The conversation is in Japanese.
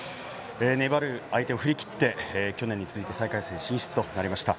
粘る相手を振り切って去年に続いて３回戦進出となりました。